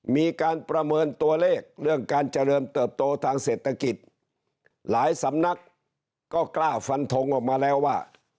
มีการประเมินตัวเลขเรื่องการเจริญเติบโตทางเศรษฐกิจหลายสำนักก็กล้าฟันทงออกมาแล้วว่า